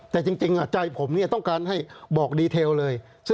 แต่จริงใจผมต้องการให้บอกดีเทลเลย